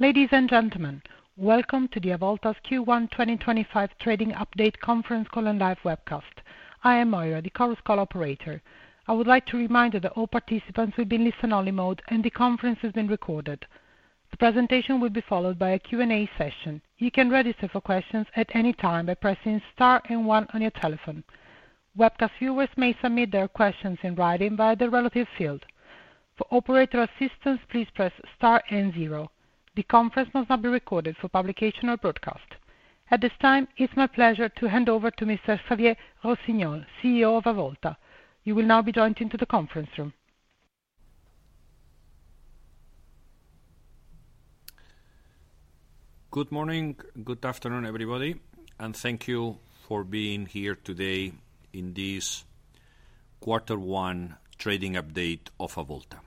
Ladies and gentlemen, welcome to the Avolta Q1 2025 Trading Update Conference Call and Live Webcast. I am Maria, the course call operator. I would like to remind you that all participants will be in listen-only mode and the conference is being recorded. The presentation will be followed by a Q&A session. You can register for questions at any time by pressing Star and 1 on your telephone. Webcast viewers may submit their questions in writing via the relative field. For operator assistance, please press Star and 0. The conference must not be recorded for publication or broadcast. At this time, it's my pleasure to hand over to Mr. Xavier Rossinyol, CEO of Avolta. You will now be joined into the conference room. Good morning, good afternoon, everybody, and thank you for being here today in this Quarter One Trading Update of Avolta.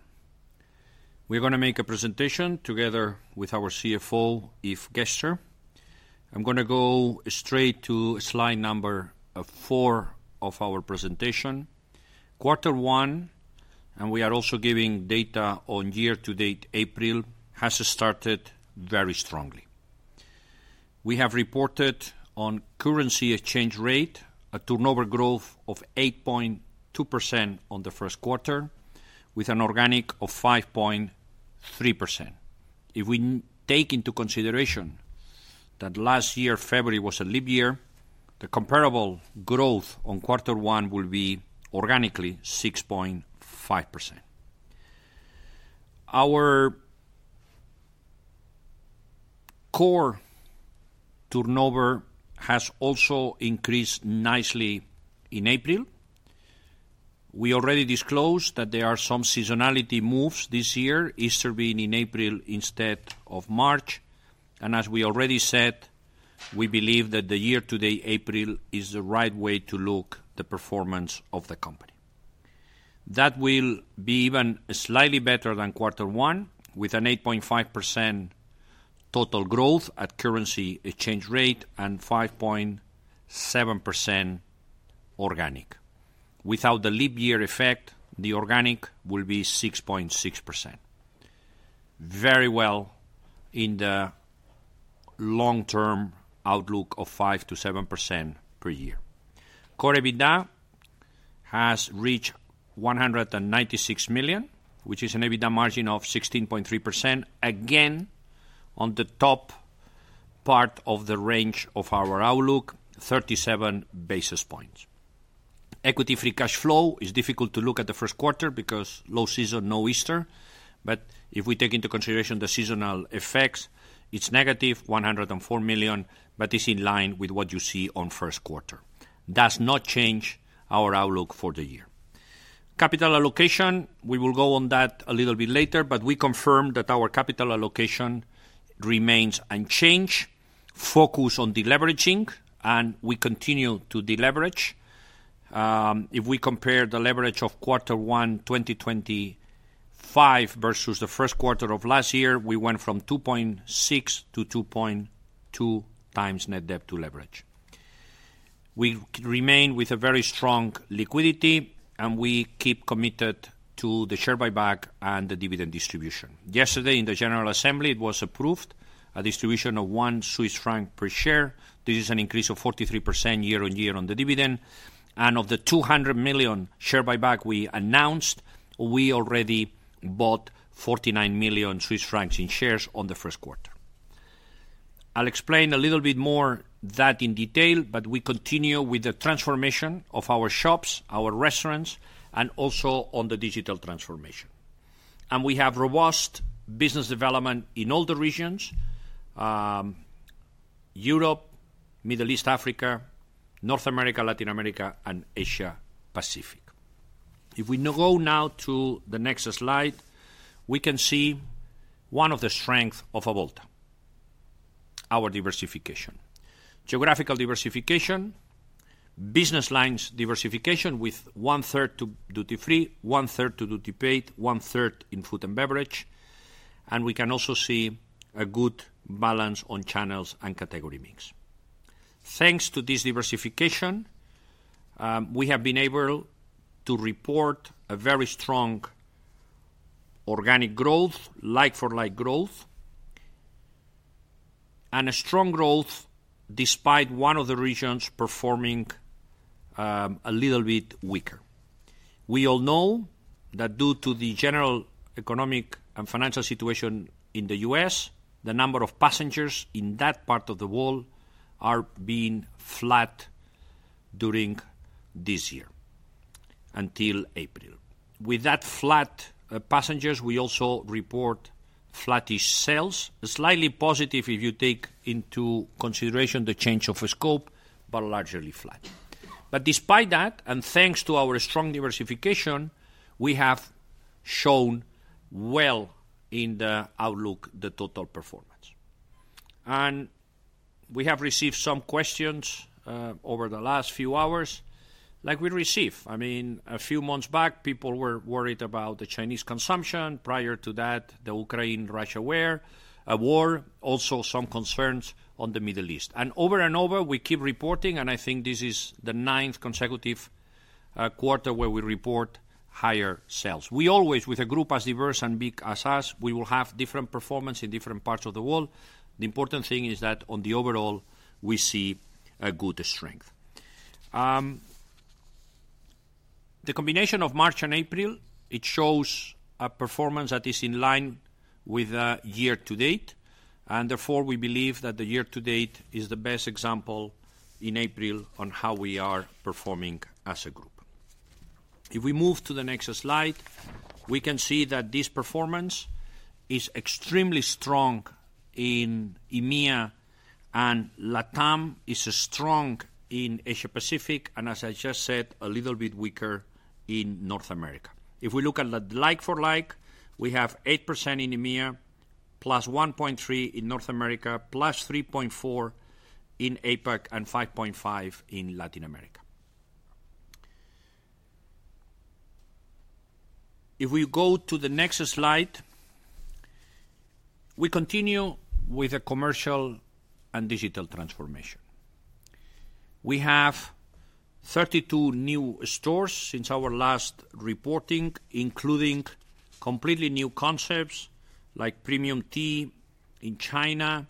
We're going to make a presentation together with our CFO, Yves Gerster. I'm going to go straight to slide number four of our presentation. Quarter One, and we are also giving data on year-to-date April, has started very strongly. We have reported on currency exchange rate, a turnover growth of 8.2% on the first quarter, with an organic of 5.3%. If we take into consideration that last year, February, was a leap year, the comparable growth on Quarter One will be organically 6.5%. Our core turnover has also increased nicely in April. We already disclosed that there are some seasonality moves this year, Easter being in April instead of March. As we already said, we believe that the year-to-date April is the right way to look at the performance of the company. That will be even slightly better than Quarter One, with an 8.5% total growth at currency exchange rate and 5.7% organic. Without the leap year effect, the organic will be 6.6%. Very well in the long-term outlook of 5-7% per year. Core EBITDA has reached 196 million, which is an EBITDA margin of 16.3%, again on the top part of the range of our outlook, 37 basis points. Equity-free cash flow is difficult to look at the first quarter because low season, no Easter. If we take into consideration the seasonal effects, it is negative, 104 million, but it is in line with what you see on first quarter. Does not change our outlook for the year. Capital allocation, we will go on that a little bit later, but we confirm that our capital allocation remains unchanged, focused on deleveraging, and we continue to deleverage. If we compare the leverage of Quarter One 2025 versus the first quarter of last year, we went from 2.6 to 2.2 times net debt to leverage. We remain with a very strong liquidity, and we keep committed to the share buyback and the dividend distribution. Yesterday, in the General Assembly, it was approved a distribution of 1 Swiss franc per share. This is an increase of 43% year on year on the dividend. Of the 200 million share buyback we announced, we already bought 49 million Swiss francs in shares in the first quarter. I'll explain a little bit more of that in detail, but we continue with the transformation of our shops, our restaurants, and also on the digital transformation. We have robust business development in all the regions: Europe, Middle East, Africa, North America, Latin America, and Asia Pacific. If we go now to the next slide, we can see one of the strengths of Avolta: our diversification. Geographical diversification, business lines diversification with one-third to duty free, one-third to duty paid, one-third in food and beverage. We can also see a good balance on channels and category mix. Thanks to this diversification, we have been able to report a very strong organic growth, like-for-like growth, and a strong growth despite one of the regions performing a little bit weaker. We all know that due to the general economic and financial situation in the U.S., the number of passengers in that part of the world are being flat during this year until April. With that flat passengers, we also report flattish sales, slightly positive if you take into consideration the change of scope, but largely flat. Despite that, and thanks to our strong diversification, we have shown well in the outlook, the total performance. We have received some questions over the last few hours, like we received. I mean, a few months back, people were worried about the Chinese consumption. Prior to that, the Ukraine-Russia war, also some concerns on the Middle East. Over and over, we keep reporting, and I think this is the ninth consecutive quarter where we report higher sales. We always, with a group as diverse and big as us, we will have different performance in different parts of the world. The important thing is that overall, we see a good strength. The combination of March and April, it shows a performance that is in line with the year-to-date. Therefore, we believe that the year-to-date is the best example in April on how we are performing as a group. If we move to the next slide, we can see that this performance is extremely strong in EMEA and Latin America. It is strong in Asia Pacific, and as I just said, a little bit weaker in North America. If we look at the like-for-like, we have 8% in EMEA, 1.3% in North America, 3.4% in Asia Pacific, and 5.5% in Latin America. If we go to the next slide, we continue with the commercial and digital transformation. We have 32 new stores since our last reporting, including completely new concepts like premium tea in China,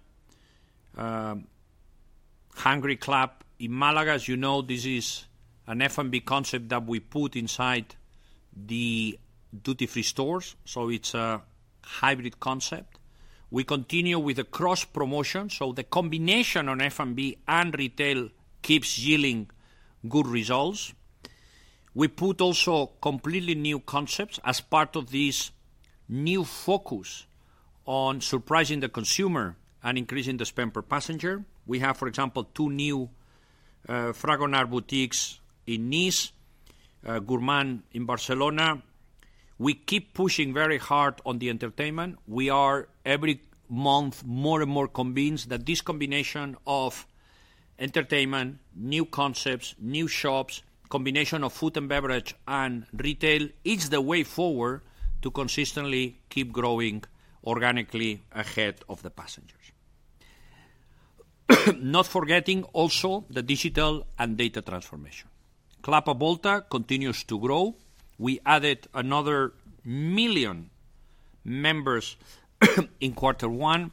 Hungry Club in Malaga. As you know, this is an F&B concept that we put inside the duty-free stores, so it's a hybrid concept. We continue with the cross-promotion, so the combination on F&B and retail keeps yielding good results. We put also completely new concepts as part of this new focus on surprising the consumer and increasing the spend per passenger. We have, for example, two new Fragonard boutiques in Nice, Gourmand in Barcelona. We keep pushing very hard on the entertainment. We are every month more and more convinced that this combination of entertainment, new concepts, new shops, a combination of food and beverage and retail, is the way forward to consistently keep growing organically ahead of the passengers. Not forgetting also the digital and data transformation. Club Avolta continues to grow. We added another million members in Quarter One.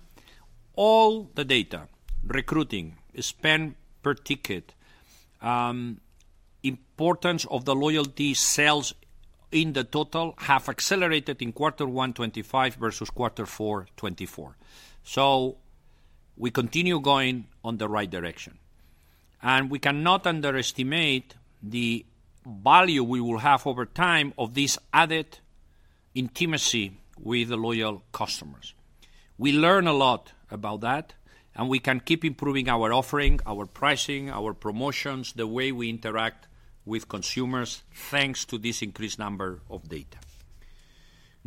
All the data, recruiting, spend per ticket, importance of the loyalty sales in the total have accelerated in Quarter One 2025 versus Quarter Four 2024. We continue going in the right direction. We cannot underestimate the value we will have over time of this added intimacy with the loyal customers. We learn a lot about that, and we can keep improving our offering, our pricing, our promotions, the way we interact with consumers thanks to this increased number of data.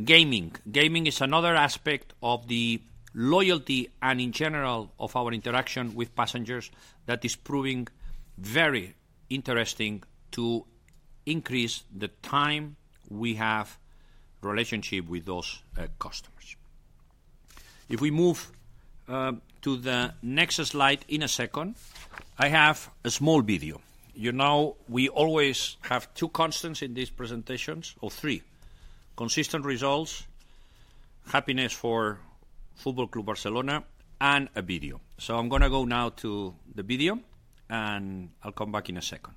Gaming. Gaming is another aspect of the loyalty and, in general, of our interaction with passengers that is proving very interesting to increase the time we have a relationship with those customers. If we move to the next slide in a second, I have a small video. You know we always have two constants in these presentations, or three. Consistent results, happiness for Football Club Barcelona, and a video. I am going to go now to the video, and I will come back in a second.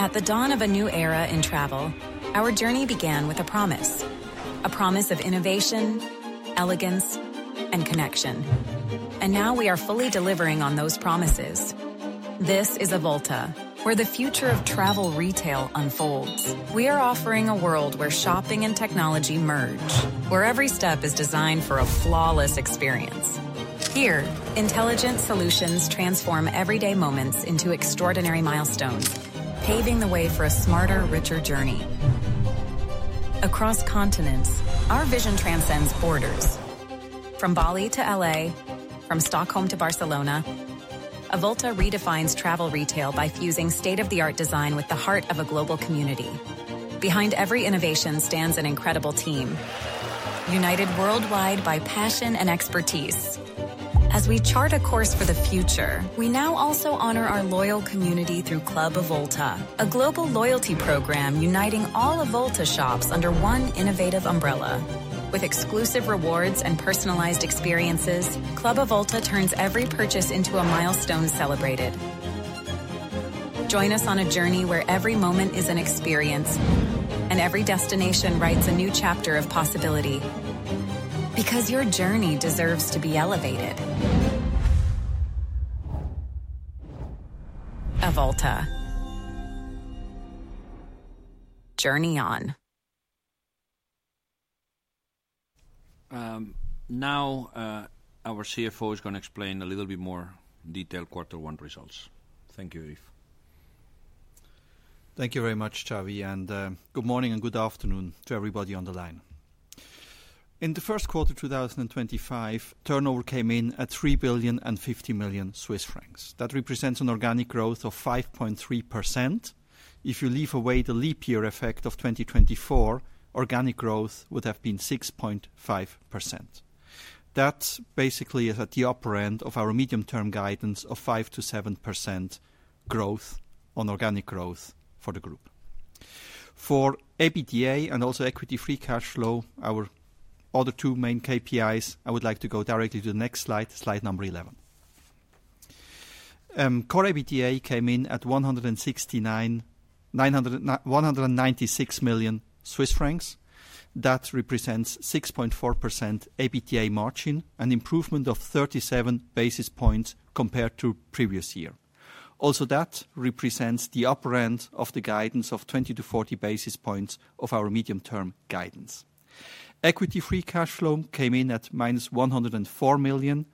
At the dawn of a new era in travel, our journey began with a promise, a promise of innovation, elegance, and connection. We are fully delivering on those promises. This is Avolta, where the future of travel retail unfolds. We are offering a world where shopping and technology merge, where every step is designed for a flawless experience. Here, intelligent solutions transform everyday moments into extraordinary milestones, paving the way for a smarter, richer journey. Across continents, our vision transcends borders. From Bali to LA, from Stockholm to Barcelona, Avolta redefines travel retail by fusing state-of-the-art design with the heart of a global community. Behind every innovation stands an incredible team, united worldwide by passion and expertise. As we chart a course for the future, we now also honor our loyal community through Club Avolta, a global loyalty program uniting all Avolta shops under one innovative umbrella. With exclusive rewards and personalized experiences, Club Avolta turns every purchase into a milestone celebrated. Join us on a journey where every moment is an experience, and every destination writes a new chapter of possibility. Because your journey deserves to be elevated. Avolta. Journey on. Now, our CFO is going to explain a little bit more detailed Quarter One results. Thank you, Yves. Thank you very much, Xavier, and good morning and good afternoon to everybody on the line. In the first quarter of 2025, turnover came in at 3.05 billion. That represents an organic growth of 5.3%. If you leave away the leap year effect of 2024, organic growth would have been 6.5%. That basically is at the upper end of our medium-term guidance of 5-7% growth on organic growth for the group. For EBITDA and also equity-free cash flow, our other two main KPIs, I would like to go directly to the next slide, slide number 11. Core EBITDA came in at 196 million Swiss francs. That represents 6.4% EBITDA margin, an improvement of 37 basis points compared to previous year. Also, that represents the upper end of the guidance of 20-40 basis points of our medium-term guidance. free cash flow came in at -104 million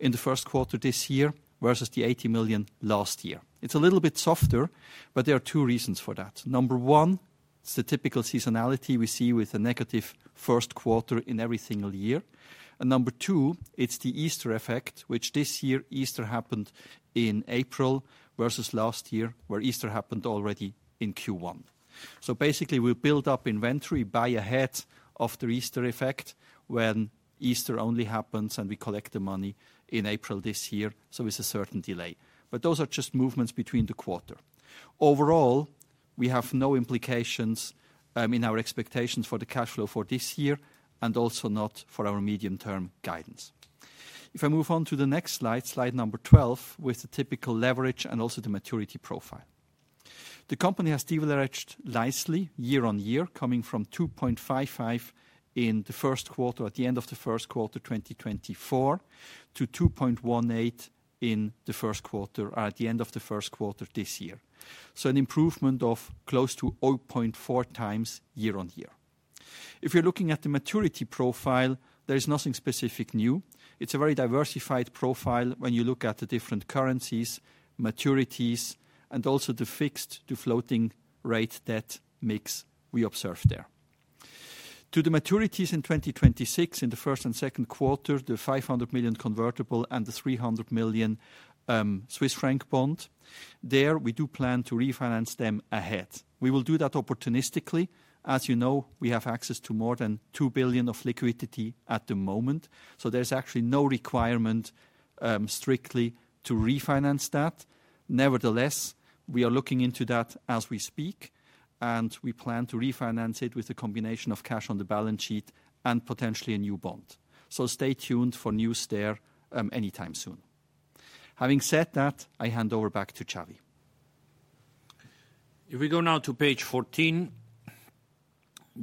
in the first quarter this year versus the 80 million last year. It's a little bit softer, but there are two reasons for that. Number one, it's the typical seasonality we see with a negative first quarter in every single year. Number two, it's the Easter effect, which this year, Easter happened in April versus last year, where Easter happened already in Q1. Basically, we build up inventory, buy ahead of the Easter effect when Easter only happens, and we collect the money in April this year. It's a certain delay. Those are just movements between the quarter. Overall, we have no implications in our expectations for the cash flow for this year and also not for our medium-term guidance. If I move on to the next slide, slide number 12, with the typical leverage and also the maturity profile. The company has deleveraged nicely year on year, coming from 2.55 in the first quarter at the end of the first quarter 2024 to 2.18 in the first quarter or at the end of the first quarter this year. An improvement of close to 0.4 times year on year. If you're looking at the maturity profile, there is nothing specific new. It's a very diversified profile when you look at the different currencies, maturities, and also the fixed to floating rate debt mix we observe there. To the maturities in 2026, in the first and second quarter, the 500 million convertible and the 300 million Swiss franc bond, there we do plan to refinance them ahead. We will do that opportunistically. As you know, we have access to more than 2 billion of liquidity at the moment. There is actually no requirement strictly to refinance that. Nevertheless, we are looking into that as we speak, and we plan to refinance it with a combination of cash on the balance sheet and potentially a new bond. Stay tuned for news there anytime soon. Having said that, I hand over back to Xavier. If we go now to page 14,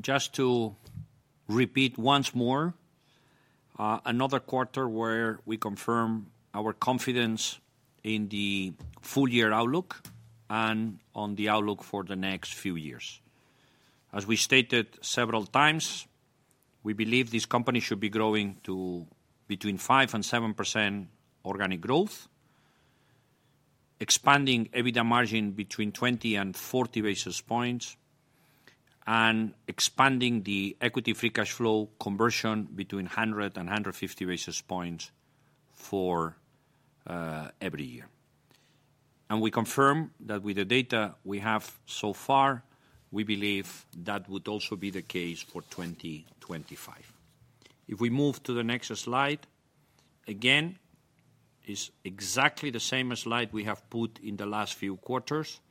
just to repeat once more, another quarter where we confirm our confidence in the full year outlook and on the outlook for the next few years. As we stated several times, we believe this company should be growing to between 5% and 7% organic growth, expanding EBITDA margin between 20 and 40 basis points, and expanding the equity-free cash flow conversion between 100 and 150 basis points for every year. We confirm that with the data we have so far, we believe that would also be the case for 2025. If we move to the next slide, again, it's exactly the same slide we have put in the last few quarters.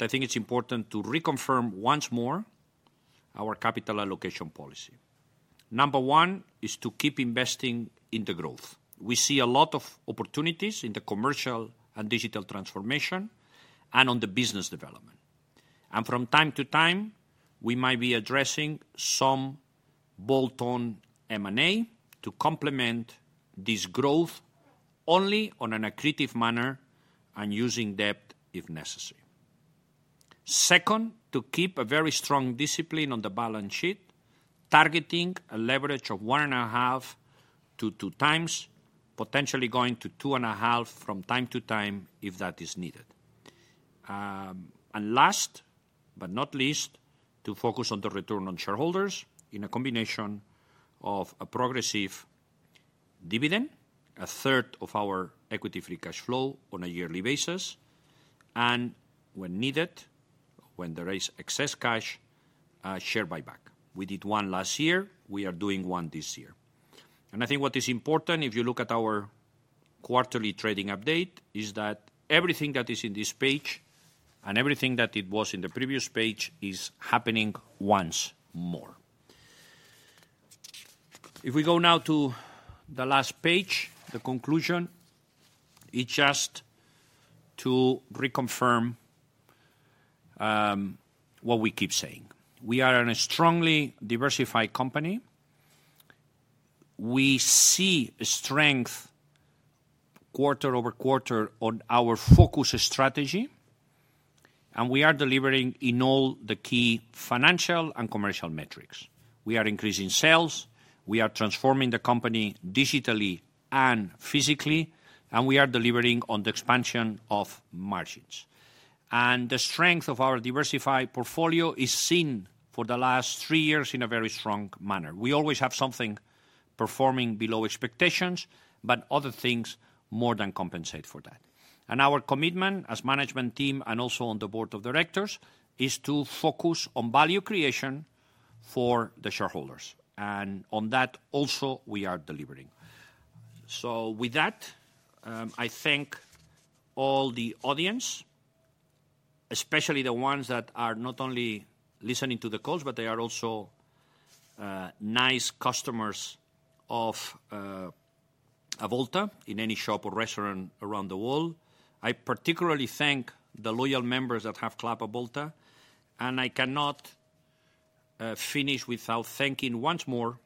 I think it's important to reconfirm once more our capital allocation policy. Number one is to keep investing in the growth. We see a lot of opportunities in the commercial and digital transformation and on the business development. From time to time, we might be addressing some bolt-on M&A to complement this growth only on an accretive manner and using debt if necessary. Second, to keep a very strong discipline on the balance sheet, targeting a leverage of one and a half to two times, potentially going to two and a half from time to time if that is needed. Last but not least, to focus on the return on shareholders in a combination of a progressive dividend, a third of our equity-free cash flow on a yearly basis, and when needed, when there is excess cash, share buyback. We did one last year. We are doing one this year. I think what is important, if you look at our quarterly trading update, is that everything that is in this page and everything that was in the previous page is happening once more. If we go now to the last page, the conclusion, it is just to reconfirm what we keep saying. We are a strongly diversified company. We see strength quarter over quarter on our focus strategy, and we are delivering in all the key financial and commercial metrics. We are increasing sales. We are transforming the company digitally and physically, and we are delivering on the expansion of margins. The strength of our diversified portfolio is seen for the last three years in a very strong manner. We always have something performing below expectations, but other things more than compensate for that. Our commitment as management team and also on the board of directors is to focus on value creation for the shareholders. On that, also, we are delivering. With that, I thank all the audience, especially the ones that are not only listening to the calls, but they are also nice customers of Avolta in any shop or restaurant around the world. I particularly thank the loyal members that have Club Avolta. I cannot finish without thanking once more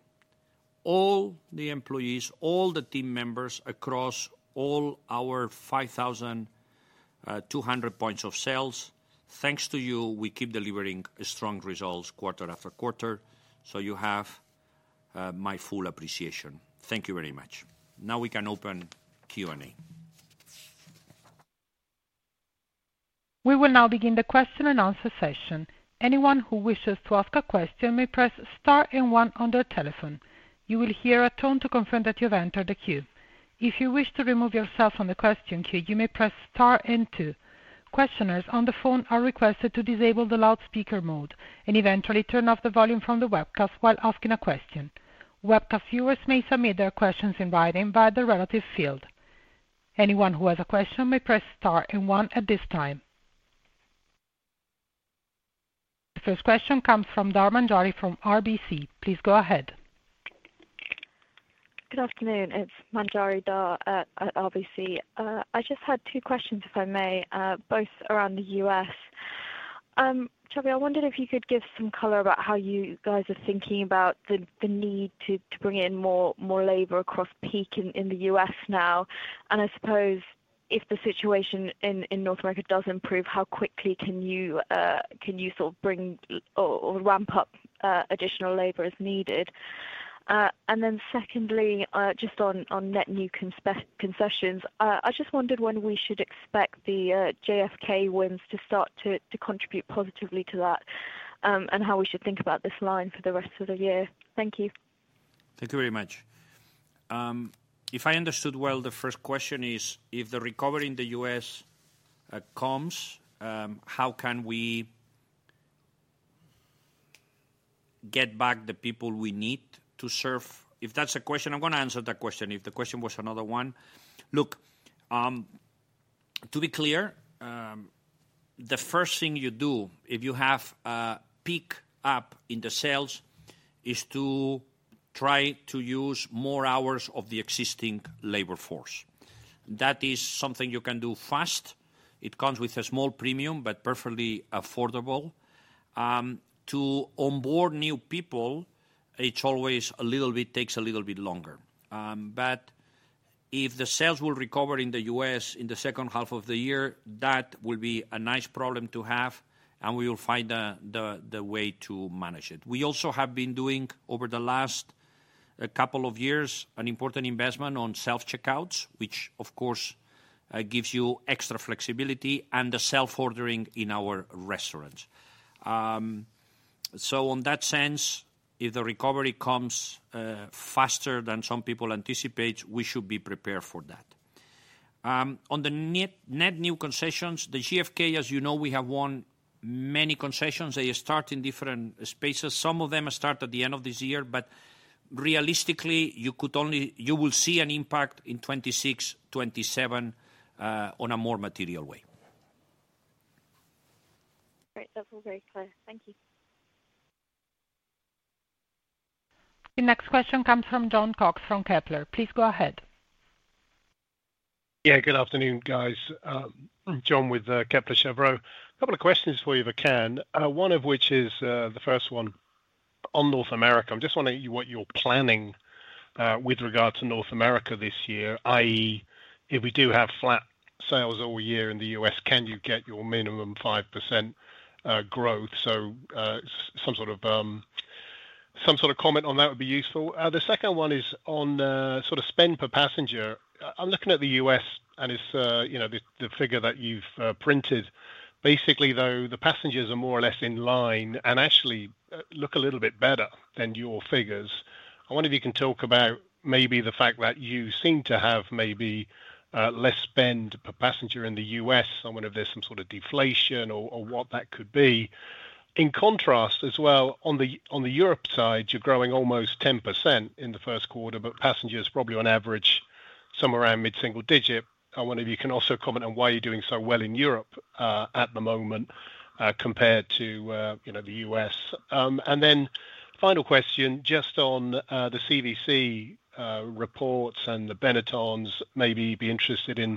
all the employees, all the team members across all our 5,200 points of sales. Thanks to you, we keep delivering strong results quarter after quarter. You have my full appreciation. Thank you very much. Now we can open Q&A. We will now begin the question and answer session. Anyone who wishes to ask a question may press Star and One on their telephone. You will hear a tone to confirm that you have entered the queue. If you wish to remove yourself from the question queue, you may press Star and Two. Questioners on the phone are requested to disable the loudspeaker mode and eventually turn off the volume from the webcast while asking a question. Webcast viewers may submit their questions in writing via the relative field. Anyone who has a question may press Star and One at this time. The first question comes from Manjari Dhar from RBC. Please go ahead. Good afternoon. It's Manjari Dhar at RBC. I just had two questions, if I may, both around the U.S. Xavier, I wondered if you could give some color about how you guys are thinking about the need to bring in more labor across peak in the U.S. now. I suppose if the situation in North America does improve, how quickly can you sort of bring or ramp up additional labor as needed? Secondly, just on net new concessions, I just wondered when we should expect the JFK wins to start to contribute positively to that and how we should think about this line for the rest of the year. Thank you. Thank you very much. If I understood well, the first question is, if the recovery in the U.S. comes, how can we get back the people we need to serve? If that's the question, I'm going to answer that question. If the question was another one, look, to be clear, the first thing you do if you have a peak up in the sales is to try to use more hours of the existing labor force. That is something you can do fast. It comes with a small premium, but perfectly affordable. To onboard new people, it always takes a little bit longer. If the sales will recover in the U.S. in the second half of the year, that will be a nice problem to have, and we will find the way to manage it. We also have been doing over the last couple of years an important investment on self-checkouts, which, of course, gives you extra flexibility and the self-ordering in our restaurants. In that sense, if the recovery comes faster than some people anticipate, we should be prepared for that. On the net new concessions, the JFK, as you know, we have won many concessions. They start in different spaces. Some of them start at the end of this year, but realistically, you will see an impact in 2026, 2027 in a more material way. Great. That's all very clear. Thank you. The next question comes from Jon Cox from Kepler Cheuvreux. Please go ahead. Yeah, good afternoon, guys. John with Kepler Cheuvreux. A couple of questions for you if I can, one of which is the first one. On North America, I'm just wondering what you're planning with regard to North America this year, i.e., if we do have flat sales all year in the U.S., can you get your minimum 5% growth? Some sort of comment on that would be useful. The second one is on sort of spend per passenger. I'm looking at the U.S., and it's the figure that you've printed. Basically, though, the passengers are more or less in line and actually look a little bit better than your figures. I wonder if you can talk about maybe the fact that you seem to have maybe less spend per passenger in the U.S., I wonder if there's some sort of deflation or what that could be. In contrast as well, on the Europe side, you're growing almost 10% in the first quarter, but passengers probably on average somewhere around mid-single digit. I wonder if you can also comment on why you're doing so well in Europe at the moment compared to the U.S. Then final question, just on the CVC reports and the Benettons, maybe be interested in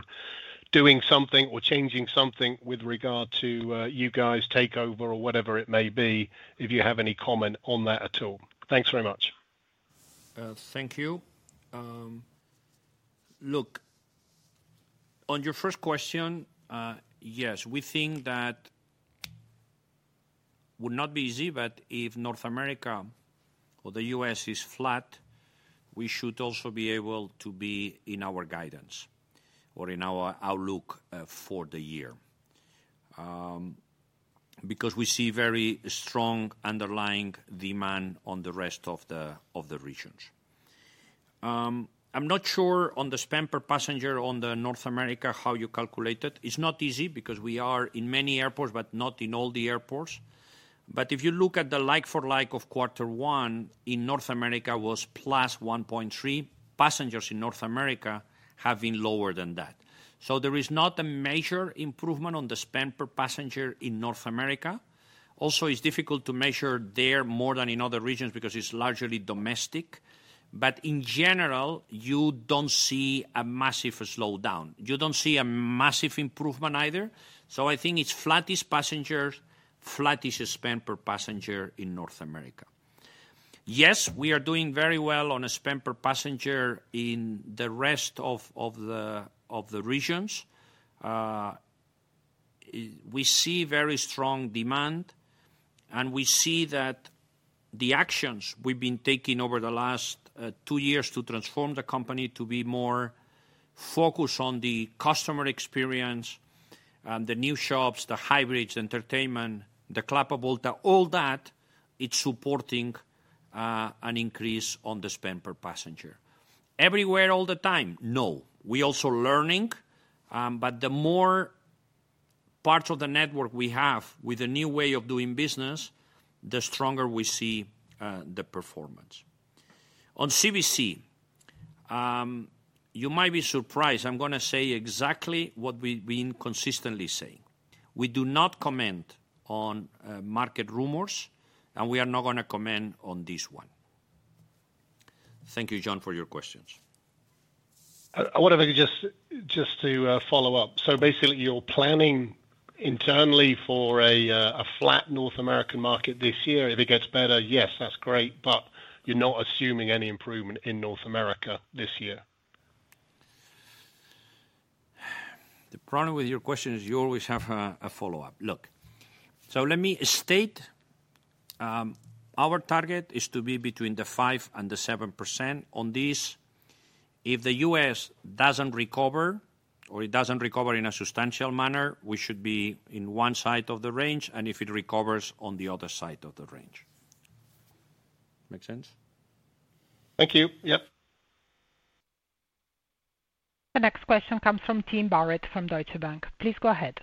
doing something or changing something with regard to you guys' takeover or whatever it may be, if you have any comment on that at all. Thanks very much. Thank you. Look, on your first question, yes, we think that would not be easy, but if North America or the U.S. is flat, we should also be able to be in our guidance or in our outlook for the year because we see very strong underlying demand on the rest of the regions. I'm not sure on the spend per passenger on the North America, how you calculate it. It's not easy because we are in many airports, but not in all the airports. If you look at the like-for-like of quarter one, in North America was plus 1.3%. Passengers in North America have been lower than that. There is not a major improvement on the spend per passenger in North America. Also, it's difficult to measure there more than in other regions because it's largely domestic. In general, you don't see a massive slowdown. You do not see a massive improvement either. I think it is flattest passengers, flattest spend per passenger in North America. Yes, we are doing very well on a spend per passenger in the rest of the regions. We see very strong demand, and we see that the actions we have been taking over the last two years to transform the company to be more focused on the customer experience, the new shops, the hybrids, the entertainment, the Club Avolta, all that, it is supporting an increase on the spend per passenger. Everywhere, all the time? No. We are also learning. The more parts of the network we have with a new way of doing business, the stronger we see the performance. On CVC, you might be surprised. I am going to say exactly what we have been consistently saying. We do not comment on market rumors, and we are not going to comment on this one. Thank you, John, for your questions. I want to just follow up. So basically, you're planning internally for a flat North American market this year. If it gets better, yes, that's great, but you're not assuming any improvement in North America this year. The problem with your question is you always have a follow-up. Look, let me state our target is to be between the 5% and the 7% on this. If the U.S. does not recover or it does not recover in a substantial manner, we should be in one side of the range, and if it recovers, on the other side of the range. Make sense? Thank you. Yep. The next question comes from Tim Barrett from Deutsche Bank. Please go ahead.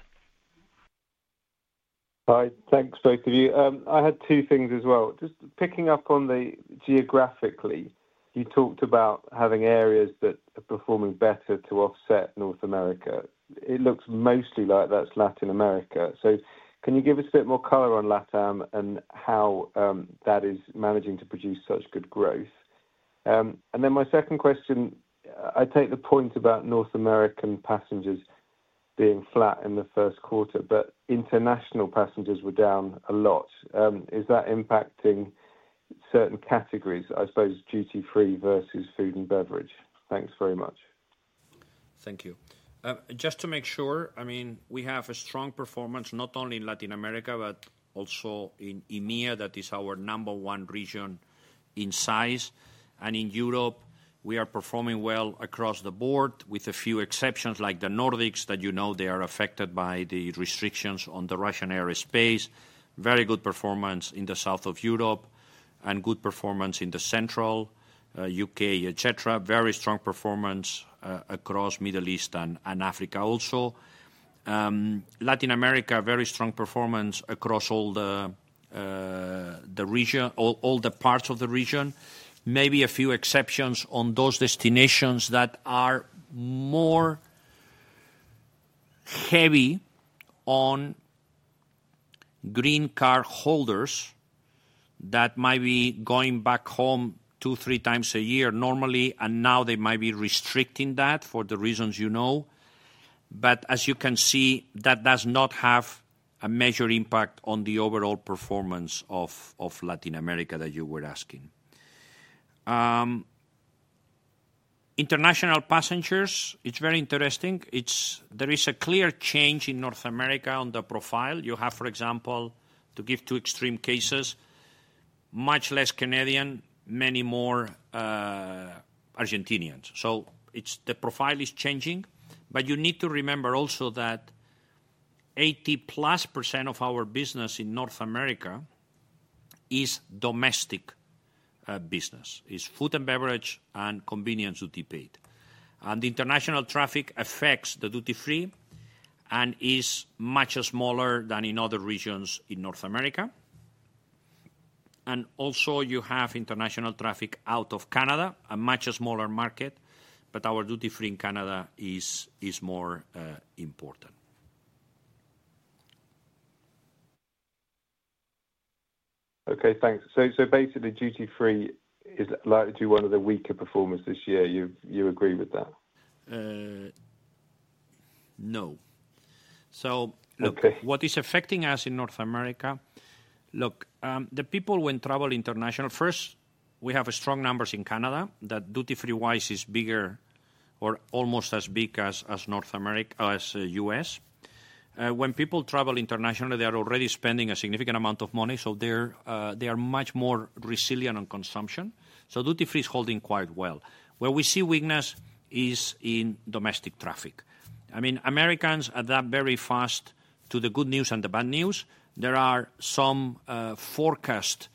Hi. Thanks, both of you. I had two things as well. Just picking up on the geographically, you talked about having areas that are performing better to offset North America. It looks mostly like that's Latin America. So can you give us a bit more color on LATAM and how that is managing to produce such good growth? And then my second question, I take the point about North American passengers being flat in the first quarter, but international passengers were down a lot. Is that impacting certain categories, I suppose, duty free versus food and beverage? Thanks very much. Thank you. Just to make sure, I mean, we have a strong performance not only in Latin America, but also in EMEA, that is our number one region in size. In Europe, we are performing well across the board with a few exceptions like the Nordics that, you know, they are affected by the restrictions on the Russian airspace. Very good performance in the south of Europe and good performance in the central U.K., etc. Very strong performance across the Middle East and Africa also. Latin America, very strong performance across all the parts of the region. Maybe a few exceptions on those destinations that are more heavy on green card holders that might be going back home two, three times a year normally, and now they might be restricting that for the reasons you know. As you can see, that does not have a major impact on the overall performance of Latin America that you were asking. International passengers, it's very interesting. There is a clear change in North America on the profile. You have, for example, to give two extreme cases, much less Canadian, many more Argentinians. The profile is changing. You need to remember also that 80-plus % of our business in North America is domestic business. It's food and beverage and convenience duty paid. International traffic affects the duty-free and is much smaller than in other regions in North America. Also, you have international traffic out of Canada, a much smaller market, but our duty-free in Canada is more important. Okay. Thanks. So basically, duty free is likely to do one of the weaker performances this year. You agree with that? No. Look, what is affecting us in North America? Look, the people when travel international, first, we have strong numbers in Canada that duty-free-wise is bigger or almost as big as US. When people travel internationally, they are already spending a significant amount of money, so they are much more resilient on consumption. Duty-free is holding quite well. Where we see weakness is in domestic traffic. I mean, Americans adapt very fast to the good news and the bad news. There are some forecasts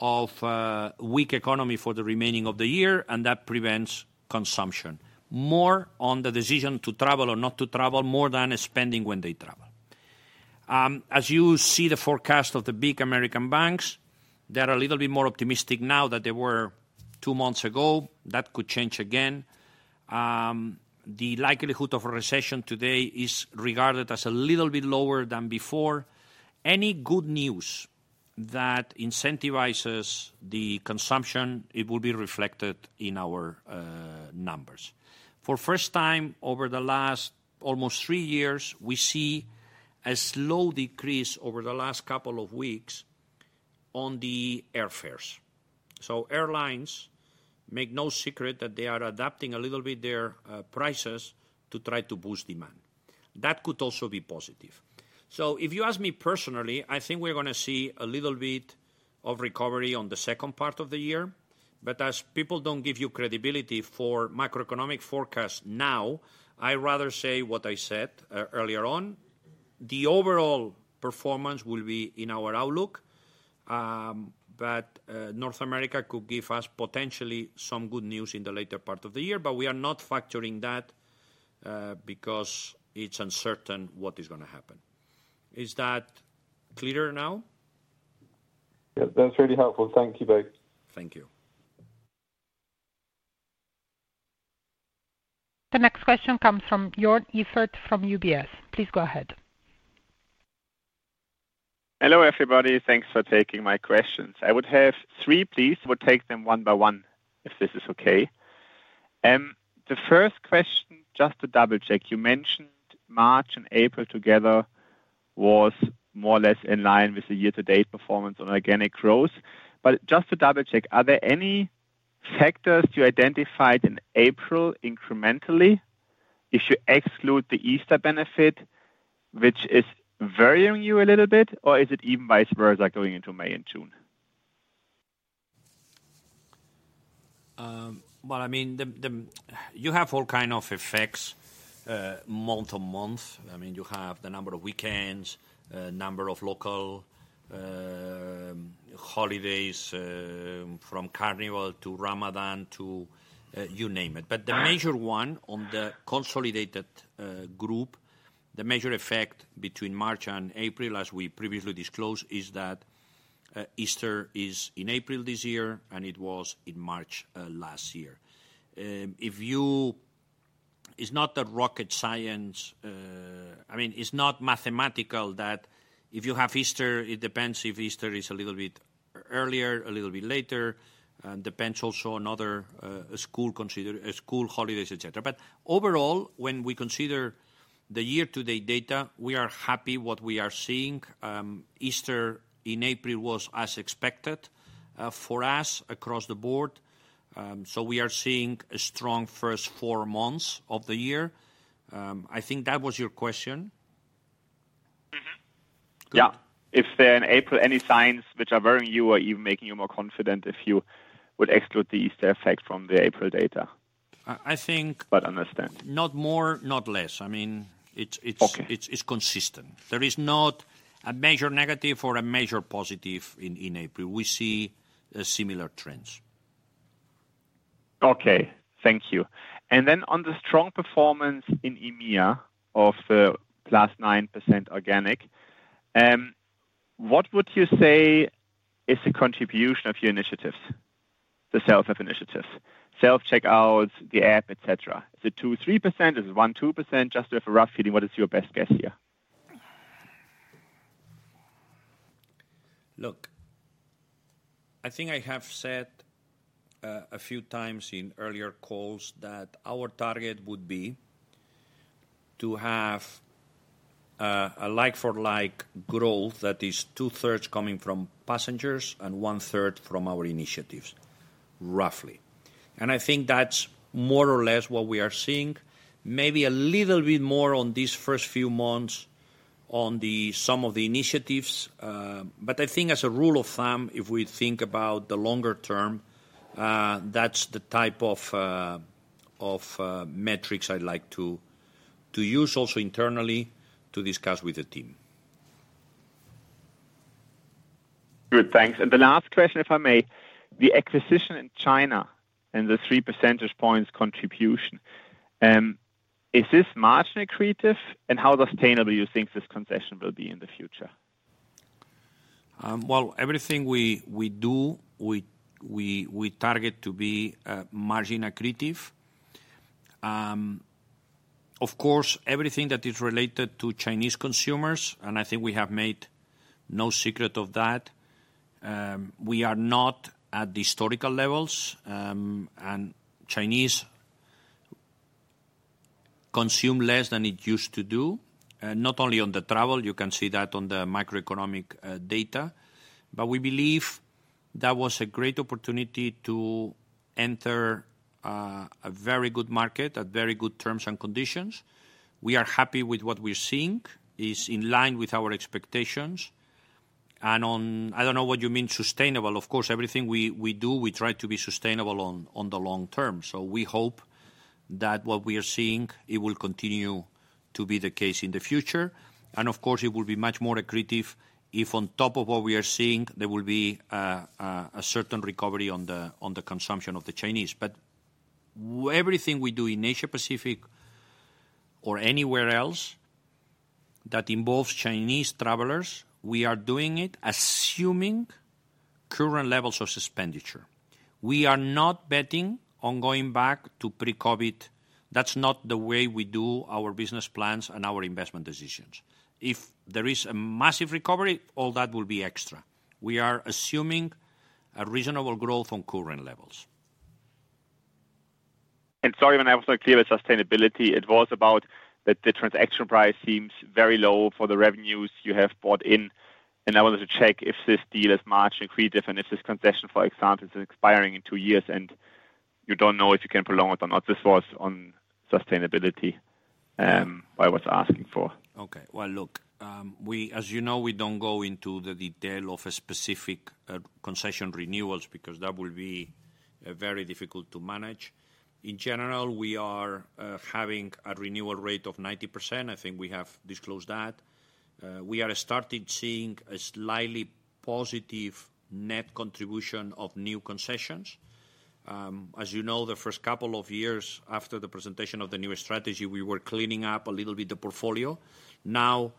of a weak economy for the remaining of the year, and that prevents consumption. More on the decision to travel or not to travel more than spending when they travel. As you see the forecast of the big American banks, they are a little bit more optimistic now than they were two months ago. That could change again. The likelihood of a recession today is regarded as a little bit lower than before. Any good news that incentivizes the consumption, it will be reflected in our numbers. For the first time over the last almost three years, we see a slow decrease over the last couple of weeks on the airfares. Airlines make no secret that they are adapting a little bit their prices to try to boost demand. That could also be positive. If you ask me personally, I think we're going to see a little bit of recovery on the second part of the year. As people do not give you credibility for macroeconomic forecasts now, I rather say what I said earlier on. The overall performance will be in our outlook, but North America could give us potentially some good news in the later part of the year. We are not factoring that because it's uncertain what is going to happen. Is that clear now? Yeah, that's really helpful. Thank you both. Thank you. The next question comes from Joern Iffert from UBS. Please go ahead. Hello, everybody. Thanks for taking my questions. I would have three, please. We'll take them one by one if this is okay. The first question, just to double-check, you mentioned March and April together was more or less in line with the year-to-date performance on organic growth. Just to double-check, are there any factors you identified in April incrementally if you exclude the Easter benefit, which is varying you a little bit, or is it even vice versa going into May and June? I mean, you have all kinds of effects month on month. I mean, you have the number of weekends, number of local holidays from Carnival to Ramadan to you name it. The major one on the consolidated group, the major effect between March and April, as we previously disclosed, is that Easter is in April this year, and it was in March last year. It's not rocket science. I mean, it's not mathematical that if you have Easter, it depends if Easter is a little bit earlier, a little bit later. It depends also on other school holidays, etc. Overall, when we consider the year-to-date data, we are happy with what we are seeing. Easter in April was as expected for us across the board. We are seeing strong first four months of the year. I think that was your question. Yeah. Is there in April any signs which are worrying you or even making you more confident if you would exclude the Easter effect from the April data? I think. But understand. Not more, not less. I mean, it's consistent. There is not a major negative or a major positive in April. We see similar trends. Okay. Thank you. On the strong performance in EMEA of the plus 9% organic, what would you say is the contribution of your initiatives, the self-help initiatives, self-checkouts, the app, etc.? Is it 2-3%? Is it 1-2%? Just to have a rough feeling, what is your best guess here? Look, I think I have said a few times in earlier calls that our target would be to have a like-for-like growth that is two-thirds coming from passengers and one-third from our initiatives, roughly. I think that's more or less what we are seeing. Maybe a little bit more on these first few months on some of the initiatives. I think as a rule of thumb, if we think about the longer term, that's the type of metrics I'd like to use also internally to discuss with the team. Good. Thanks. The last question, if I may, the acquisition in China and the 3 percentage points contribution, is this margin accretive? How sustainable do you think this concession will be in the future? Everything we do, we target to be margin accretive. Of course, everything that is related to Chinese consumers, and I think we have made no secret of that, we are not at the historical levels. Chinese consume less than it used to do, not only on the travel. You can see that on the macroeconomic data. We believe that was a great opportunity to enter a very good market at very good terms and conditions. We are happy with what we're seeing. It's in line with our expectations. I don't know what you mean sustainable. Of course, everything we do, we try to be sustainable on the long term. We hope that what we are seeing, it will continue to be the case in the future. Of course, it will be much more accretive if on top of what we are seeing, there will be a certain recovery on the consumption of the Chinese. Everything we do in Asia Pacific or anywhere else that involves Chinese travelers, we are doing it assuming current levels of expenditure. We are not betting on going back to pre-COVID. That is not the way we do our business plans and our investment decisions. If there is a massive recovery, all that will be extra. We are assuming a reasonable growth on current levels. When I was talking to you about sustainability, it was about that the transaction price seems very low for the revenues you have brought in. I wanted to check if this deal is margin accretive and if this concession, for example, is expiring in two years and you do not know if you can prolong it or not. This was on sustainability what I was asking for. Okay. As you know, we do not go into the detail of specific concession renewals because that would be very difficult to manage. In general, we are having a renewal rate of 90%. I think we have disclosed that. We are starting to see a slightly positive net contribution of new concessions. As you know, the first couple of years after the presentation of the new strategy, we were cleaning up a little bit the portfolio. Now,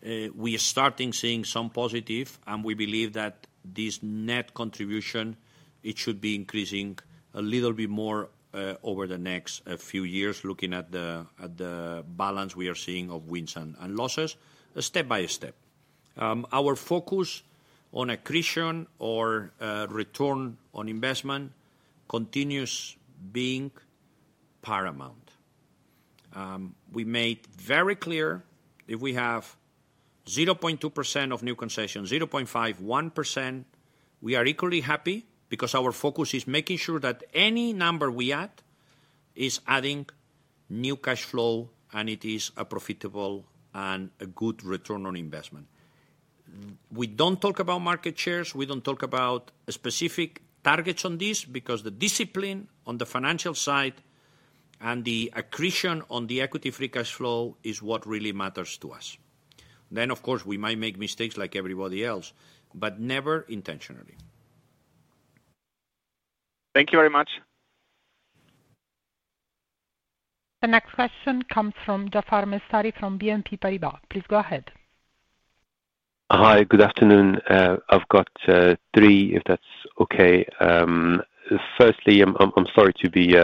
we are starting to see some positive, and we believe that this net contribution, it should be increasing a little bit more over the next few years, looking at the balance we are seeing of wins and losses step by step. Our focus on accretion or return on investment continues being paramount. We made very clear if we have 0.2% of new concession, 0.5%, 1%, we are equally happy because our focus is making sure that any number we add is adding new cash flow, and it is a profitable and a good return on investment. We do not talk about market shares. We do not talk about specific targets on this because the discipline on the financial side and the accretion on the equity-free cash flow is what really matters to us. Of course, we might make mistakes like everybody else, but never intentionally. Thank you very much. The next question comes from Jaafar Mestari from BNP Paribas. Please go ahead. Hi. Good afternoon. I've got three, if that's okay. Firstly, I'm sorry to be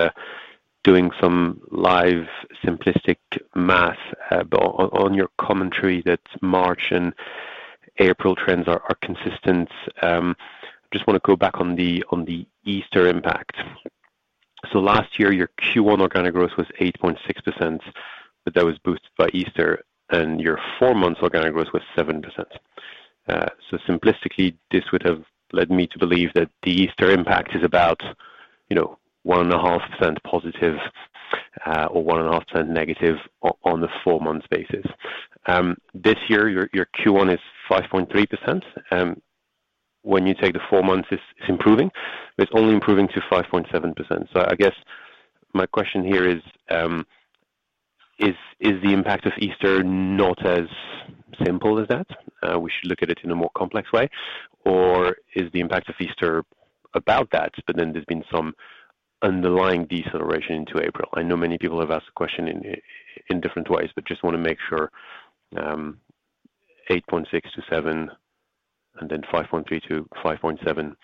doing some live simplistic math, but on your commentary that March and April trends are consistent, I just want to go back on the Easter impact. Last year, your Q1 organic growth was 8.6%, but that was boosted by Easter, and your four-month organic growth was 7%. Simplistically, this would have led me to believe that the Easter impact is about 1.5% positive or 1.5% negative on the four-month basis. This year, your Q1 is 5.3%. When you take the four months, it's improving. It's only improving to 5.7%. I guess my question here is, is the impact of Easter not as simple as that? We should look at it in a more complex way. Or is the impact of Easter about that, but then there's been some underlying deceleration into April? I know many people have asked the question in different ways, but just want to make sure 8.6-7 and then 5.3-5.7,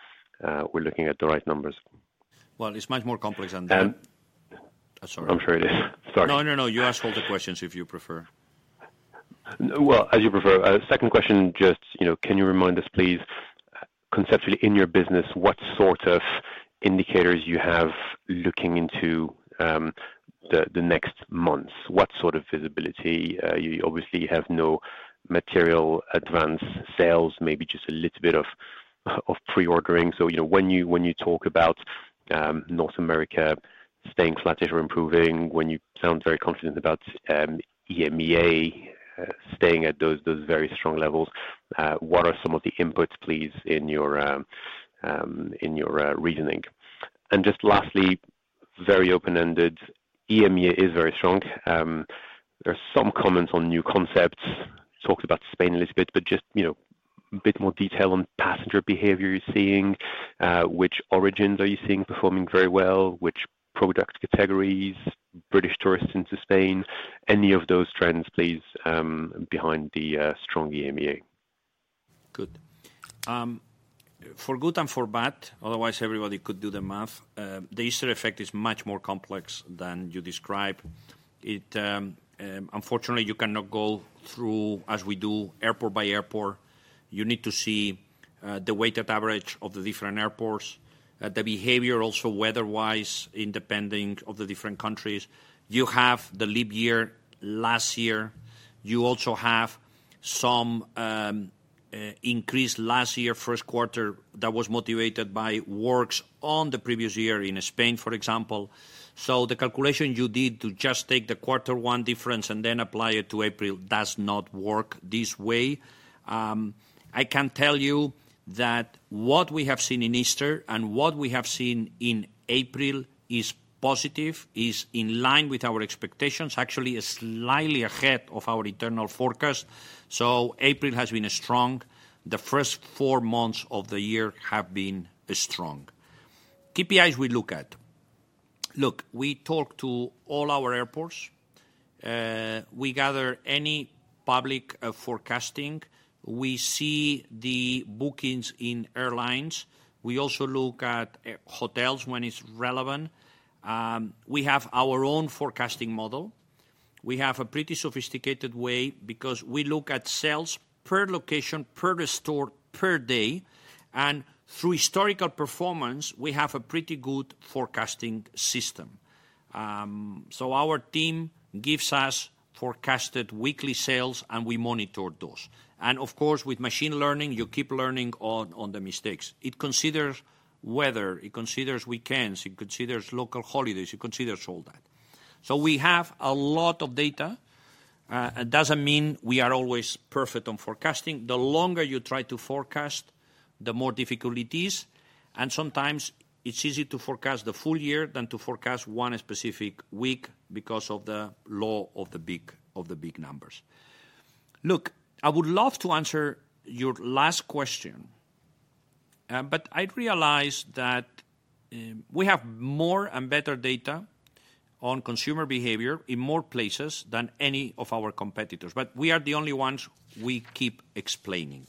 we're looking at the right numbers. It is much more complex than that. I'm sorry. I'm sure it is. Sorry. No, no, no. You ask all the questions if you prefer. As you prefer. Second question, just can you remind us, please, conceptually in your business, what sort of indicators you have looking into the next months? What sort of visibility? You obviously have no material advance sales, maybe just a little bit of pre-ordering. When you talk about North America staying flat or improving, when you sound very confident about EMEA staying at those very strong levels, what are some of the inputs, please, in your reasoning? Just lastly, very open-ended, EMEA is very strong. There are some comments on new concepts, talked about Spain a little bit, but just a bit more detail on passenger behavior you're seeing. Which origins are you seeing performing very well? Which product categories, British tourists into Spain? Any of those trends, please, behind the strong EMEA? Good. For good and for bad, otherwise everybody could do the math. The Easter effect is much more complex than you described. Unfortunately, you cannot go through, as we do, airport by airport. You need to see the weighted average of the different airports, the behavior also weather-wise independent of the different countries. You have the leap year last year. You also have some increase last year first quarter that was motivated by works on the previous year in Spain, for example. The calculation you did to just take the quarter one difference and then apply it to April does not work this way. I can tell you that what we have seen in Easter and what we have seen in April is positive, is in line with our expectations, actually slightly ahead of our internal forecast. April has been strong. The first four months of the year have been strong. KPIs we look at. Look, we talk to all our airports. We gather any public forecasting. We see the bookings in airlines. We also look at hotels when it's relevant. We have our own forecasting model. We have a pretty sophisticated way because we look at sales per location, per store, per day. And through historical performance, we have a pretty good forecasting system. Our team gives us forecasted weekly sales, and we monitor those. Of course, with machine learning, you keep learning on the mistakes. It considers weather. It considers weekends. It considers local holidays. It considers all that. We have a lot of data. It doesn't mean we are always perfect on forecasting. The longer you try to forecast, the more difficult it is. Sometimes it's easier to forecast the full year than to forecast one specific week because of the law of the big numbers. Look, I would love to answer your last question, but I realize that we have more and better data on consumer behavior in more places than any of our competitors. We are the only ones we keep explaining.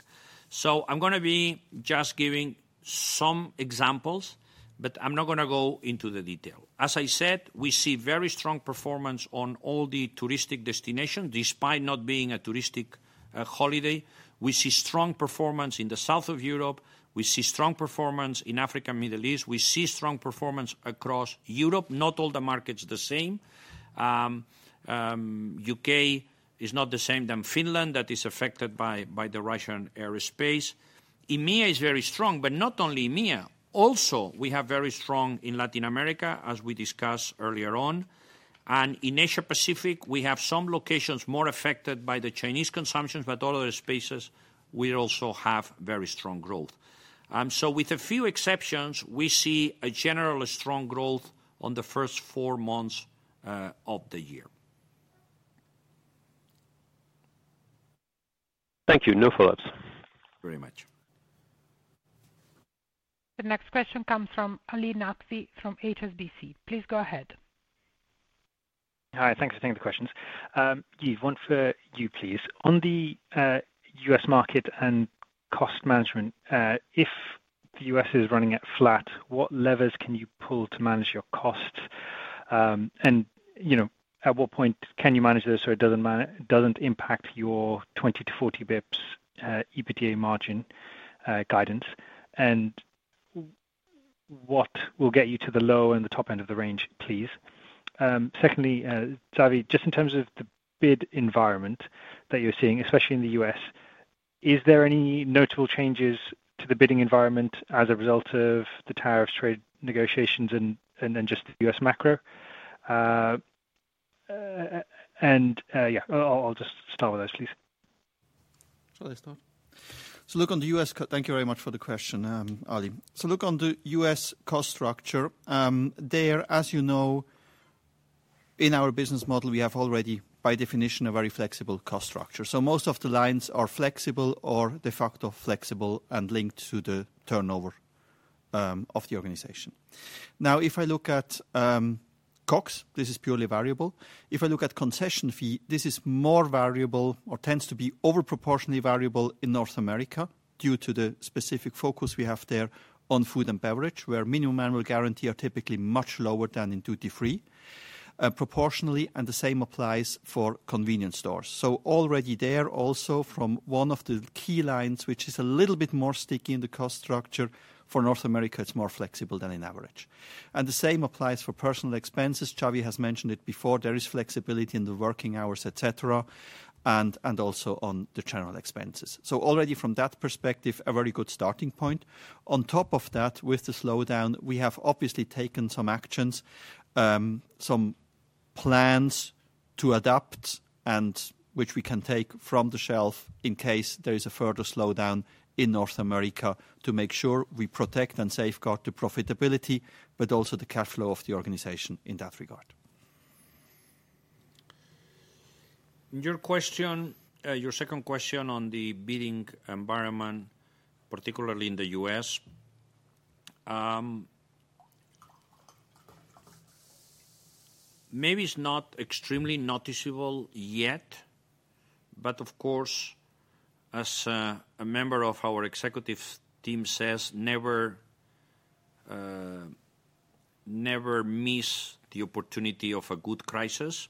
I am going to be just giving some examples, but I am not going to go into the detail. As I said, we see very strong performance on all the touristic destinations despite not being a touristic holiday. We see strong performance in the south of Europe. We see strong performance in Africa and the Middle East. We see strong performance across Europe. Not all the markets are the same. The U.K. is not the same as Finland that is affected by the Russian airspace. EMEA is very strong, but not only EMEA. Also, we have very strong in Latin America, as we discussed earlier on. In Asia Pacific, we have some locations more affected by the Chinese consumptions, but all other spaces, we also have very strong growth. With a few exceptions, we see a general strong growth on the first four months of the year. Thank you. No follow-ups. Very much. The next question comes from Ali Naqvi from HSBC. Please go ahead. Hi. Thanks for taking the questions. Yves, one for you, please. On the U.S. market and cost management, if the U.S. is running at flat, what levers can you pull to manage your costs? At what point can you manage this so it does not impact your 20-40 basis points EPTA margin guidance? What will get you to the low and the top end of the range, please? Secondly, Javi, just in terms of the bid environment that you are seeing, especially in the U.S., is there any notable changes to the bidding environment as a result of the tariffs, trade negotiations, and just the U.S. macro? Yeah, I will just start with those, please. Let's start. Look, on the U.S. cost structure—thank you very much for the question, Ali. Look, on the U.S. cost structure, as you know, in our business model, we have already, by definition, a very flexible cost structure. Most of the lines are flexible or de facto flexible and linked to the turnover of the organization. Now, if I look at COGS, this is purely variable. If I look at concession fee, this is more variable or tends to be overproportionately variable in North America due to the specific focus we have there on food and beverage, where minimum annual guarantee are typically much lower than in duty free. Proportionally, the same applies for convenience stores. Already there, also from one of the key lines, which is a little bit more sticky in the cost structure for North America, it is more flexible than on average. The same applies for personal expenses. Javi has mentioned it before. There is flexibility in the working hours, etc., and also on the general expenses. Already from that perspective, a very good starting point. On top of that, with the slowdown, we have obviously taken some actions, some plans to adapt, which we can take from the shelf in case there is a further slowdown in North America to make sure we protect and safeguard the profitability, but also the cash flow of the organization in that regard. Your second question on the bidding environment, particularly in the U.S., maybe it's not extremely noticeable yet, but of course, as a member of our executive team says, never miss the opportunity of a good crisis.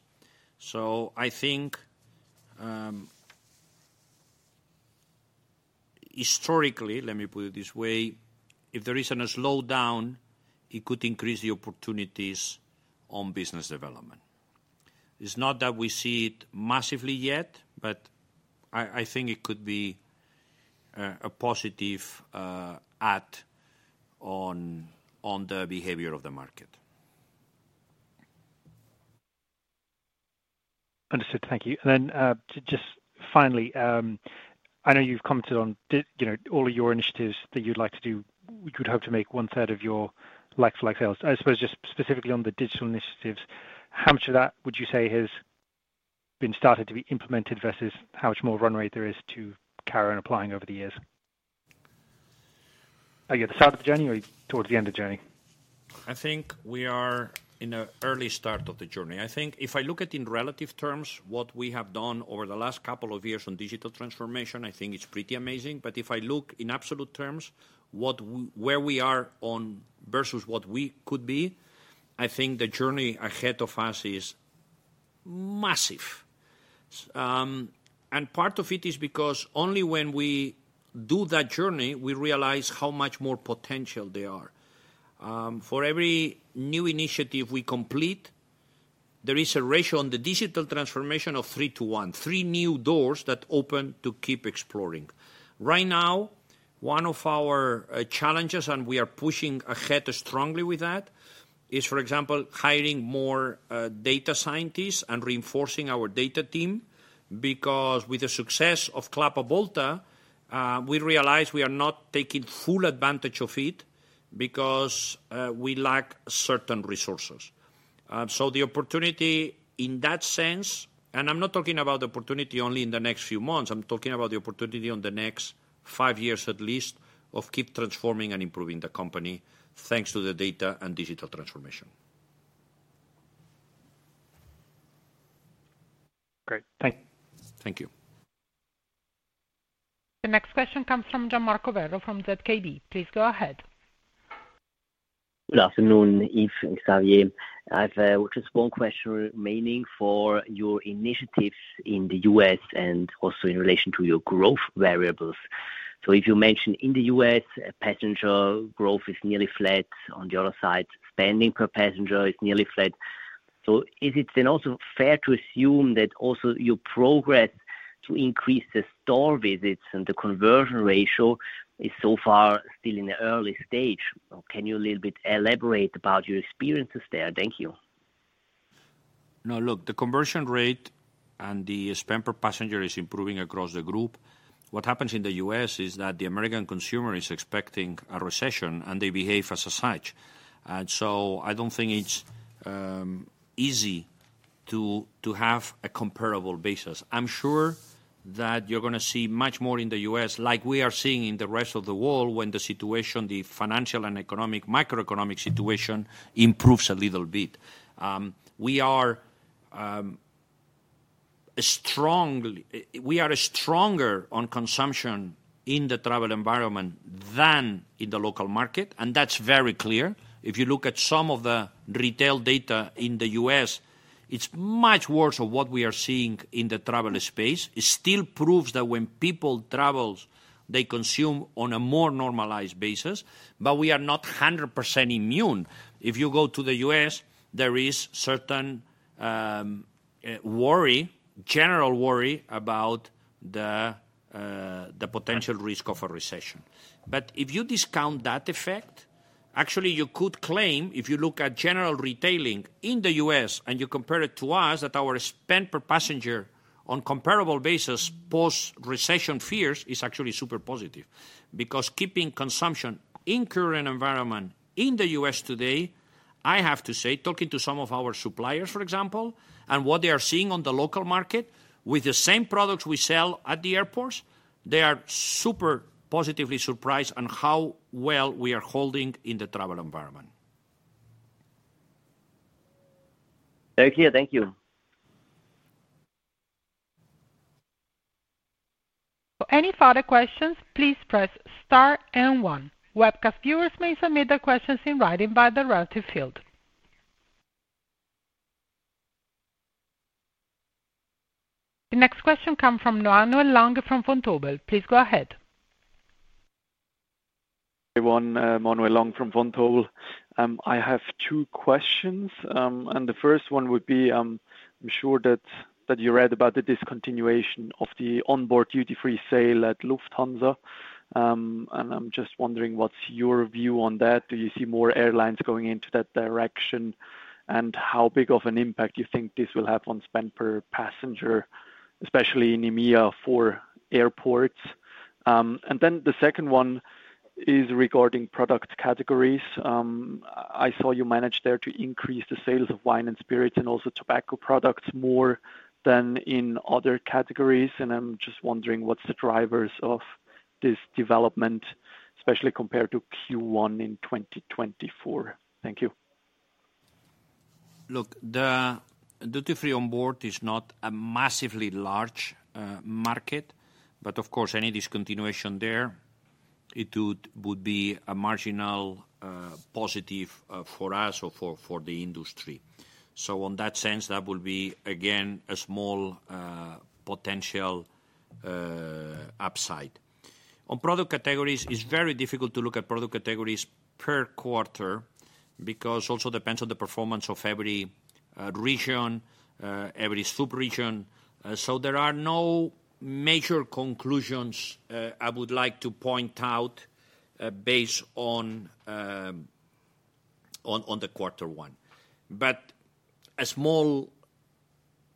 I think historically, let me put it this way, if there is a slowdown, it could increase the opportunities on business development. It's not that we see it massively yet, but I think it could be a positive act on the behavior of the market. Understood. Thank you. Then just finally, I know you've commented on all of your initiatives that you'd like to do. We would hope to make one-third of your like-for-like sales. I suppose just specifically on the digital initiatives, how much of that would you say has been started to be implemented versus how much more runway there is to carry on applying over the years? Are you at the start of the journey or towards the end of the journey? I think we are in the early start of the journey. I think if I look at it in relative terms, what we have done over the last couple of years on digital transformation, I think it's pretty amazing. If I look in absolute terms, where we are versus what we could be, I think the journey ahead of us is massive. Part of it is because only when we do that journey, we realize how much more potential there is. For every new initiative we complete, there is a ratio on the digital transformation of three to one, three new doors that open to keep exploring. Right now, one of our challenges, and we are pushing ahead strongly with that, is, for example, hiring more data scientists and reinforcing our data team because with the success of Club Avolta, we realize we are not taking full advantage of it because we lack certain resources. The opportunity in that sense, and I'm not talking about the opportunity only in the next few months, I'm talking about the opportunity in the next five years at least of keep transforming and improving the company thanks to the data and digital transformation. Great. Thanks. Thank you. The next question comes from Gian Marco Bello from Zürcher Kantonalbank. Please go ahead. Good afternoon, Yves and Xavier. I have just one question remaining for your initiatives in the U.S. and also in relation to your growth variables. If you mentioned in the U.S., passenger growth is nearly flat. On the other side, spending per passenger is nearly flat. Is it then also fair to assume that also your progress to increase the store visits and the conversion ratio is so far still in the early stage? Can you a little bit elaborate about your experiences there? Thank you. No, look, the conversion rate and the spend per passenger is improving across the group. What happens in the U.S. is that the American consumer is expecting a recession, and they behave as such. I do not think it is easy to have a comparable basis. I am sure that you are going to see much more in the U.S., like we are seeing in the rest of the world when the situation, the financial and economic, macroeconomic situation improves a little bit. We are stronger on consumption in the travel environment than in the local market, and that is very clear. If you look at some of the retail data in the U.S., it is much worse than what we are seeing in the travel space. It still proves that when people travel, they consume on a more normalized basis, but we are not 100% immune. If you go to the U.S., there is certain worry, general worry about the potential risk of a recession. If you discount that effect, actually you could claim, if you look at general retailing in the U.S. and you compare it to us, that our spend per passenger on a comparable basis post-recession fears is actually super positive because keeping consumption in the current environment in the U.S. today, I have to say, talking to some of our suppliers, for example, and what they are seeing on the local market with the same products we sell at the airports, they are super positively surprised on how well we are holding in the travel environment. Thank you. Thank you. For any further questions, please press star and one. Webcast viewers may submit their questions in writing via the relevant field. The next question comes from Manuel Lang from Vontobel. Please go ahead. Hey, everyone. Manuel Lang from Vontobel. I have two questions. The first one would be, I'm sure that you read about the discontinuation of the onboard duty-free sale at Lufthansa. I'm just wondering what's your view on that? Do you see more airlines going into that direction? How big of an impact do you think this will have on spend per passenger, especially in EMEA for airports? The second one is regarding product categories. I saw you managed there to increase the sales of wine and spirits and also tobacco products more than in other categories. I'm just wondering what's the drivers of this development, especially compared to Q1 in 2024? Thank you. Look, the duty-free onboard is not a massively large market, but of course, any discontinuation there, it would be a marginal positive for us or for the industry. In that sense, that would be, again, a small potential upside. On product categories, it's very difficult to look at product categories per quarter because it also depends on the performance of every region, every sub-region. There are no major conclusions I would like to point out based on the quarter one. A small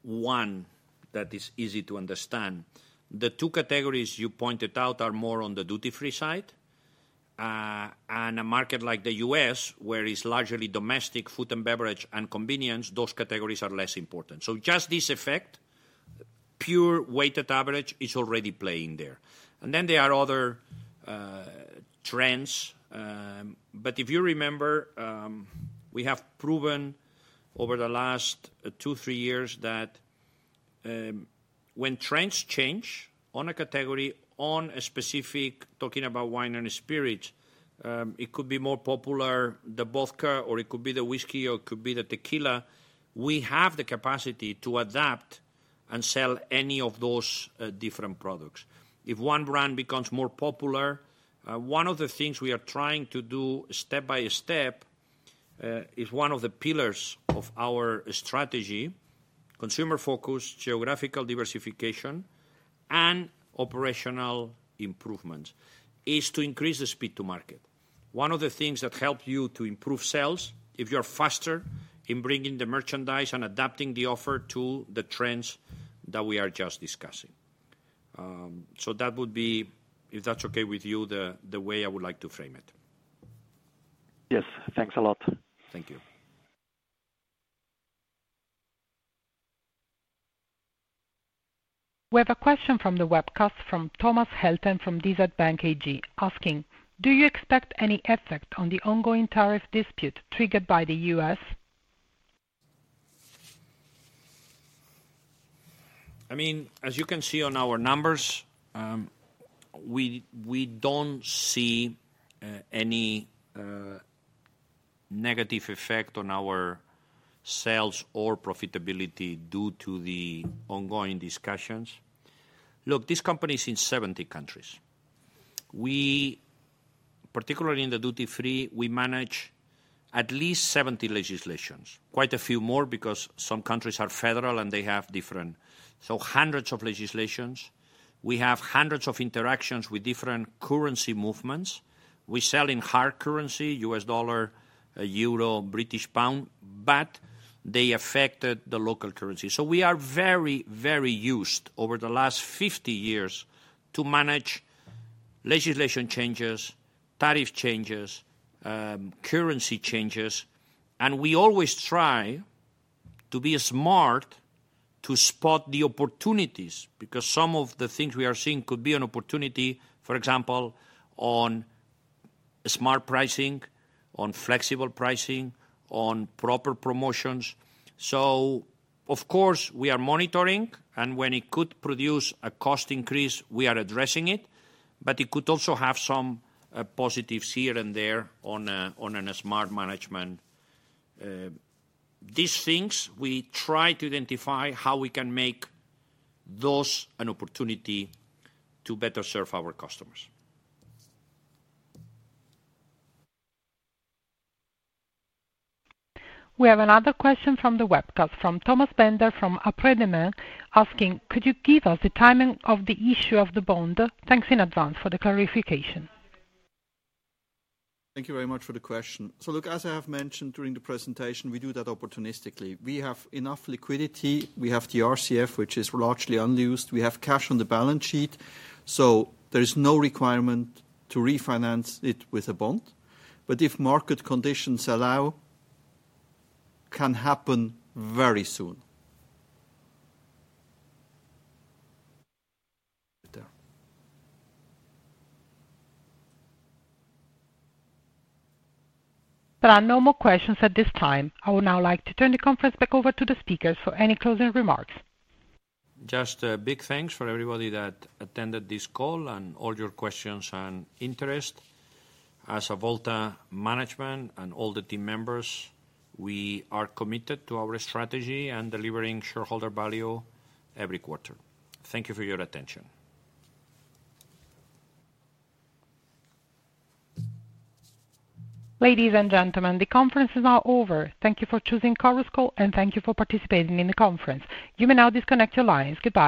one that is easy to understand, the two categories you pointed out are more on the duty-free side. A market like the US, where it's largely domestic, food and beverage, and convenience, those categories are less important. Just this effect, pure weighted average is already playing there. There are other trends. If you remember, we have proven over the last two, three years that when trends change on a category, on a specific, talking about wine and spirits, it could be more popular, the vodka, or it could be the whiskey, or it could be the tequila, we have the capacity to adapt and sell any of those different products. If one brand becomes more popular, one of the things we are trying to do step by step is one of the pillars of our strategy, consumer focus, geographical diversification, and operational improvements, is to increase the speed to market. One of the things that helps you to improve sales if you're faster in bringing the merchandise and adapting the offer to the trends that we are just discussing. That would be, if that's okay with you, the way I would like to frame it. Yes. Thanks a lot. Thank you. We have a question from the webcast from Thomas Helton from DZ Bank AG asking, do you expect any effect on the ongoing tariff dispute triggered by the U.S.? I mean, as you can see on our numbers, we don't see any negative effect on our sales or profitability due to the ongoing discussions. Look, this company is in 70 countries. Particularly in the duty free, we manage at least 70 legislations, quite a few more because some countries are federal and they have different. So hundreds of legislations. We have hundreds of interactions with different currency movements. We sell in hard currency, US dollar, euro, British pound, but they affected the local currency. We are very, very used over the last 50 years to manage legislation changes, tariff changes, currency changes. We always try to be smart to spot the opportunities because some of the things we are seeing could be an opportunity, for example, on smart pricing, on flexible pricing, on proper promotions. Of course, we are monitoring, and when it could produce a cost increase, we are addressing it, but it could also have some positives here and there on a smart management. These things, we try to identify how we can make those an opportunity to better serve our customers. We have another question from the webcast from Thomas Bender from Apres Demain asking, could you give us the timing of the issue of the bond? Thanks in advance for the clarification. Thank you very much for the question. Look, as I have mentioned during the presentation, we do that opportunistically. We have enough liquidity. We have the RCF, which is largely unused. We have cash on the balance sheet. There is no requirement to refinance it with a bond. If market conditions allow, can happen very soon. There are no more questions at this time. I would now like to turn the conference back over to the speakers for any closing remarks. Just a big thanks for everybody that attended this call and all your questions and interest. As Avolta management and all the team members, we are committed to our strategy and delivering shareholder value every quarter. Thank you for your attention. Ladies and gentlemen, the conference is now over. Thank you for choosing Carouscal and thank you for participating in the conference. You may now disconnect your lines. Goodbye.